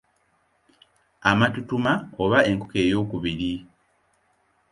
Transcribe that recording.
Amatutuma oba enkoko eyookubiri.